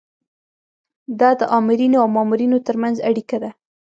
دا د آمرینو او مامورینو ترمنځ اړیکه ده.